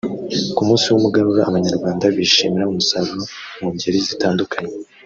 ku munsi w’Umuganuro Abanyarwanda bishimira umusaruro mu ngeri zitandukanye